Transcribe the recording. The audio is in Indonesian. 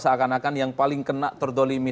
seakan akan yang paling kena terdolimi